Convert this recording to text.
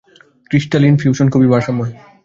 ক্রিস্টালিক fusion খুবই ভারসাম্যহীন।